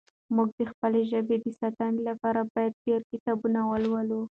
موږ د خپلې ژبې د ساتنې لپاره باید ډېر کتابونه ولولو.